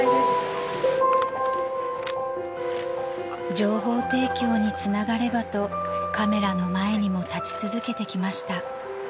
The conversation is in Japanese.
［情報提供につながればとカメラの前にも立ち続けてきました］